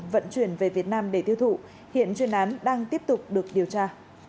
vận chuyển về việt nam để tiêu thụ hiện chuyên án đang tiếp tục được điều tra